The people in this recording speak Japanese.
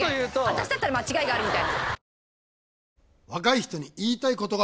私だったら間違いがあるみたいな。